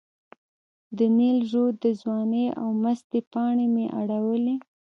د نیل رود د ځوانۍ او مستۍ پاڼې مې اړولې.